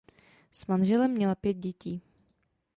S manželem měla pět dětí.